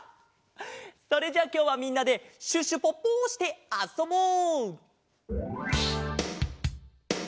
それじゃきょうはみんなでシュシュポポしてあそぼう！